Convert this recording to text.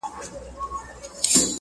o زوی په يوه ورځ نه ملا کېږي!